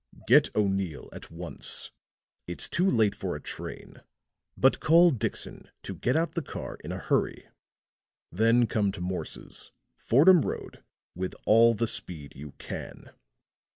"Get O'Neill at once. It's too late for a train, but call Dixon to get out the car in a hurry. Then come to Morse's, Fordham Road, with all the speed you can."